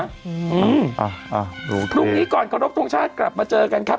อ้าวลูกดีลูกนี้ก่อนกระโลกตรงชาติกลับมาเจอกันครับ